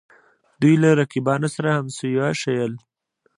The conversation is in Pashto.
دوی له رقیبانو سره همسویه ښييل